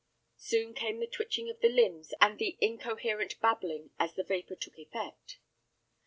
Soon came the twitching of the limbs and the incoherent babbling as the vapor took effect.